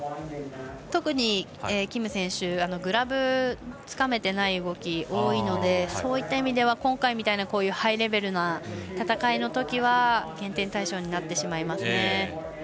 特に、キム選手グラブをつかめてない動きが多いので、そういった意味では今回みたいなハイレベルの戦いで減点対象になってしまいますね。